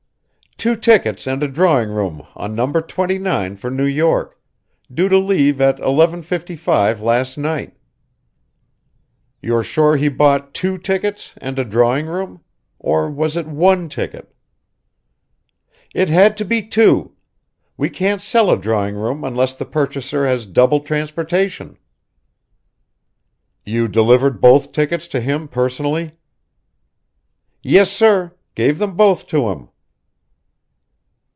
"Two tickets and a drawing room on No. 29 for New York due to leave at 11.55 last night." "You're sure he bought two tickets and a drawing room? Or was it one ticket?" "It had to be two. We can't sell a drawing room unless the purchaser has double transportation." "You delivered both tickets to him personally?" "Yes, sir gave them both to him."